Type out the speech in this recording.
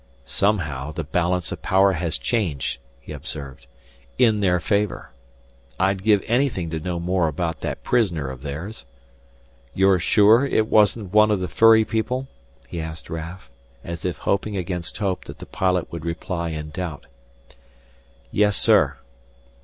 "Somehow the balance of power has changed," he observed, "in their favor. I'd give anything to know more about that prisoner of theirs. You're sure it wasn't one of the furry people?" he asked Raf, as if hoping against hope that the pilot would reply in doubt. "Yes, sir."